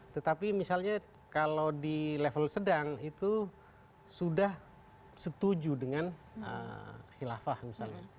tetapi misalnya kalau di level sedang itu sudah setuju dengan khilafah misalnya